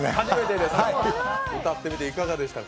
歌ってみていかがでしたか？